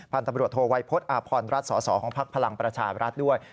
พันธบรวจโทวัยพศอาพรรณรัฐสศของภักดิ์พลังประชารัฐด้วย